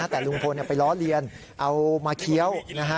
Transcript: แต่ลุงพลไปล้อเลียนเอามาเคี้ยวนะฮะ